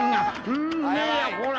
うめえやこら